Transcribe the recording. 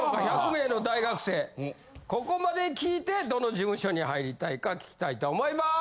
１００名の大学生ここまで聞いてどの事務所に入りたいか聞きたいと思います。